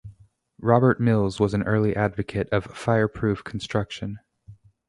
Robert Mills was an early advocate of fireproof construction.